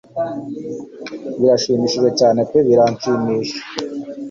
Biranshimishije cyane pe biranshimisha